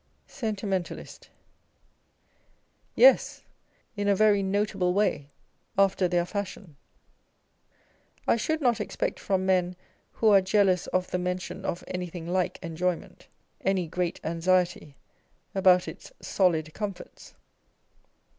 Sentimentalist. Yes, in a very notable way, after their fashion. I should not expect from men who are jealous of the mention of anything like enjoyment, any great anxiety about its solid comforts.